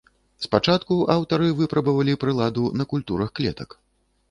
Спачатку аўтары выпрабавалі прыладу на культурах клетак.